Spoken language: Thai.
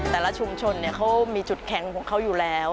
แต่ละชุมชนเขามีจุดแข็งของเขาอยู่แล้ว